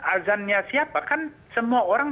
azannya siapa kan semua orang